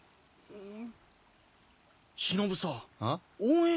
うん。